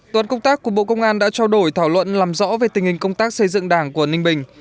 toàn công tác của bộ công an đã trao đổi thảo luận làm rõ về tình hình công tác xây dựng đảng của ninh bình